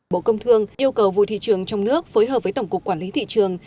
bộ công thương yêu cầu vụ thị trường trong nước phối hợp với tổng cục quản lý thị trường